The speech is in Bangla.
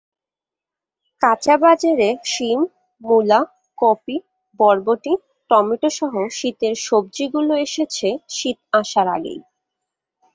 কাঁচাবাজারে শিম, মুলা, কপি, বরবটি, টমেটোসহ শীতের সবজিগুলো এসেছে শীত আসার আগেই।